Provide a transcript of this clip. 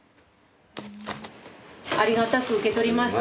「ありがたく受け取りました」